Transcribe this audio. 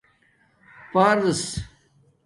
پُرس